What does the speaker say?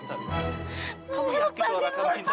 sampai jumpa di video selanjutnya